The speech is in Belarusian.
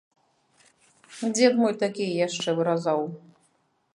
Дзед мой такія яшчэ выразаў.